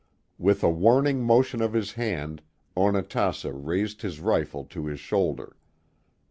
With a warning motion of his hand, Onatassa raised his rifle to his shoulder.